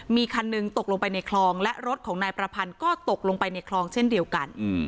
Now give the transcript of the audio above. มีคันหนึ่งตกลงไปในคลองและรถของนายประพันธ์ก็ตกลงไปในคลองเช่นเดียวกัน